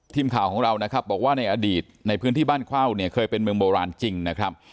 ทีมข่าวของเรานะครับบอกว่าในอดีตในพื้นที่บ้านเข้าเนี่ยเคยเป็นเมืองโบราณจริงนะครับ